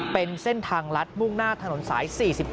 เป็นเส้นทางลัดมุ่งหน้าถนนสาย๔๗